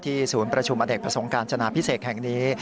ศูนย์ประชุมอเนกประสงค์การจนาพิเศษแห่งนี้